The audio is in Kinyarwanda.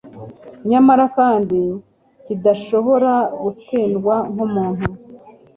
nyamara kandi kidashobora gutsindwa nkumuntu